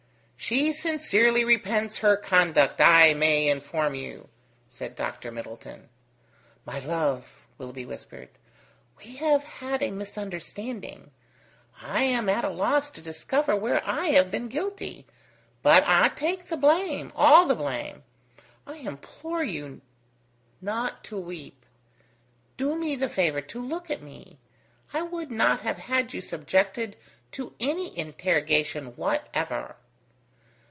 "She sincerely repents her conduct, I may inform you," said Dr. Middleton. "My love!" Willoughby whispered. "We have had a misunderstanding. I am at a loss to discover where I have been guilty, but I take the blame, all the blame. I implore you not to weep. Do me the favour to look at me. I would not have had you subjected to any interrogation whatever."